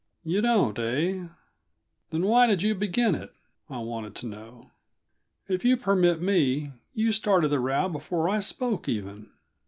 "You don't, eh? Then, why did you begin it?" I wanted to know. "If you permit me, you started the row before I spoke, even."